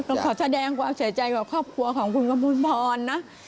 ขอแสดงความเสียใจกับครอบครัวของคุณกระมวลพรนะ